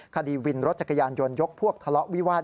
คดีวินรถจักรยานยนต์ยกพวกทะเลาะวิวาส